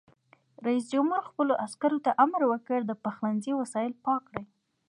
رئیس جمهور خپلو عسکرو ته امر وکړ؛ د پخلنځي وسایل پاک کړئ!